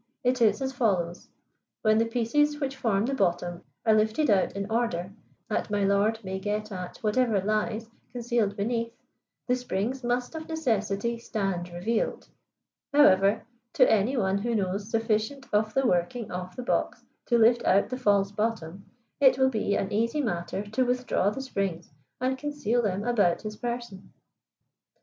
It is as follows: When the pieces which form the bottom are lifted out in order, that my lord may get at whatever lies concealed beneath, the springs must of necessity stand revealed. However, to any one who knows sufficient of the working of the box to lift out the false bottom, it will be an easy matter to withdraw the springs and conceal them about his person."